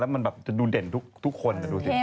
จะดูเด่นทุกคน